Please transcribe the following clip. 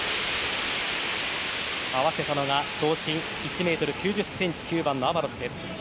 合わせたのが長身１ｍ９０ｃｍ９番のアヴァロスです。